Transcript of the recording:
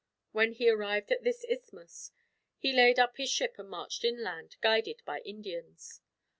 When he arrived at this isthmus, he laid up his ship and marched inland, guided by Indians.